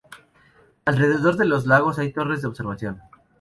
Alrededor de los lagos hay torres de observación.